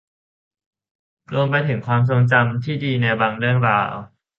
รวมไปถึงความทรงจำที่ดีในบางเรื่องราว